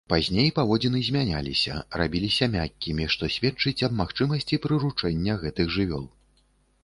Пазней паводзіны змянялася, рабіліся мяккімі, што сведчыць аб магчымасці прыручэння гэтых жывёл.